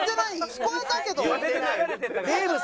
聞こえたけど。